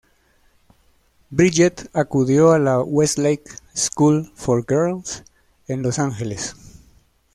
Bridget acudió a la "Westlake School for Girls" en Los Ángeles.